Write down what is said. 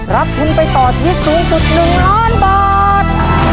รับทุนไปต่อชีวิตสูงสุดหนึ่งล้อนบอส